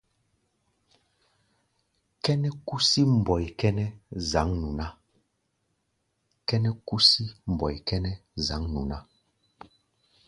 Kʼɛ́nɛ́ kúsí mbɔi kʼɛ́nɛ́ zǎŋnu ná.